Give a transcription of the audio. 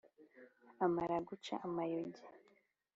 amara guca amayogi